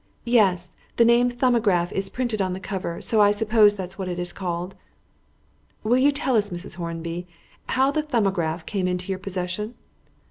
"Yes: the name 'Thumbograph' is printed on the cover, so I suppose that is what it is called." "Will you tell us, Mrs. Hornby, how the 'Thumbograph' came into your possession?"